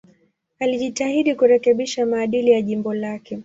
Alijitahidi kurekebisha maadili ya jimbo lake.